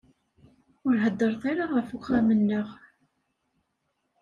Ur heddret ara ɣef uxxam-nneɣ.